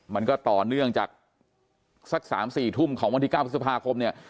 มันก็ต่อเนื่องจากสัก๓๔ทุ่มของวันที่๙พฤษภาคมเนี่ย